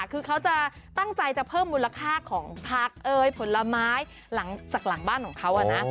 คือเขาจะตั้งใจจะเพิ่มมูลค่าของผักผลไม้หลังจากหลังบ้านของเขานะ